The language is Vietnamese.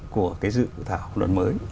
của cái dự thảo luật mới